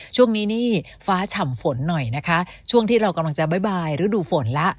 ช่วงนี้นี่ฟ้าฉ่ำฝนหน่อยนะคะช่วงที่เรากำลังจะบ๊ายฤดูฝนแล้ว